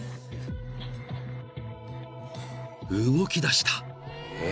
［動きだした］